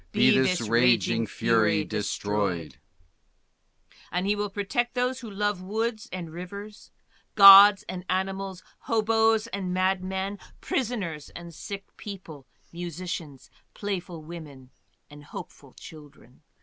BE THIS RAGING FURY DESTROYED" And he will protect those who love woods and rivers, Gods and animals, hobos and madmen, prisoners and sick people, musicians, playful women, and hopeful children.